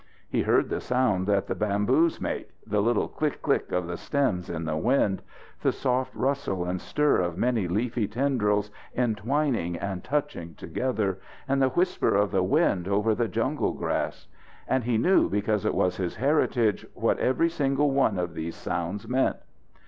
He heard the sound that the bamboos make the little click click of the stems in the wind the soft rustle and stir of many leafy tendrils entwining and touching together, and the whisper of the wind over the jungle grass. And he knew because it was his heritage, what every single one of these sounds meant.